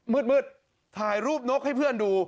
มืดถ่ายรูปนกให้เพื่อนดู